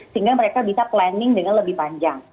sehingga mereka bisa planning dengan lebih panjang